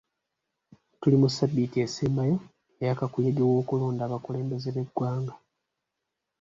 Tuli mu ssabbiiti esembayo eya kakuyege w'okulonda abakulembeze b'eggwanga.